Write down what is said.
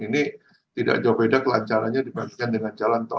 ini tidak jauh beda kelancarannya dibandingkan dengan jalan tol